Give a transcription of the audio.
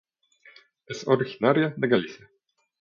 Es originaria de Galicia.